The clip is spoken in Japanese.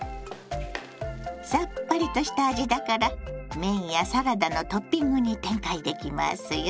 さっぱりとした味だから麺やサラダのトッピングに展開できますよ。